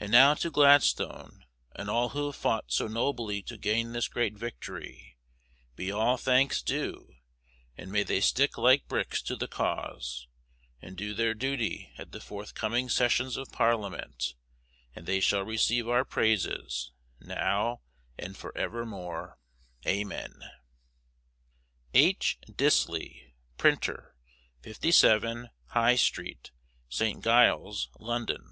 And now to Gladstone and all who have fought so nobly to gain this great victory, be all thanks due, and may they stick like bricks to the cause, and do their duty at the forthcoming Sessions of Parliament, and they shall receive our praises now and for evermore. Amen. H. Disley, Printer, 57, High Street, St. Giles, London.